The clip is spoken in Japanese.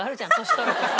年取るとさ。